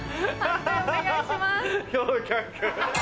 判定お願いします。